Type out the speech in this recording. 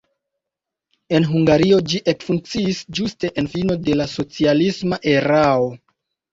En Hungario ĝi ekfunkciis ĝuste en fino de la socialisma erao.